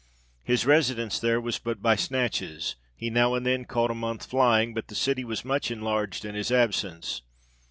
His residence there was but by snatches ; he now and then caught a month flying, but the city was much enlarged in his absence.